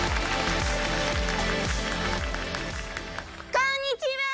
こんにちは！